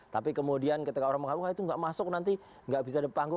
tapi kemudian ketika orang mengaku itu nggak masuk nanti nggak bisa di panggung